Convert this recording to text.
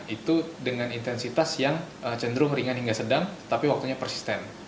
itu dengan intensitas yang cenderung ringan hingga sedang tapi waktunya persisten